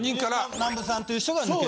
南部さんという人が抜けて。